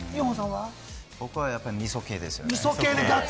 僕は、みそ系ですよね。